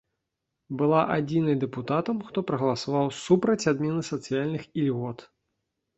Была адзінай дэпутатам, хто прагаласаваў супраць адмены сацыяльных ільгот.